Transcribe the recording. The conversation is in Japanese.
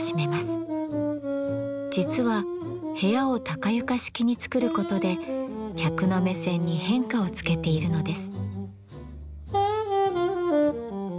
実は部屋を高床式につくることで客の目線に変化をつけているのです。